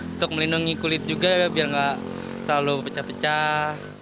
untuk melindungi kulit juga biar gak selalu pecah pecah